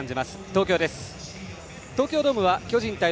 東京ドームは巨人対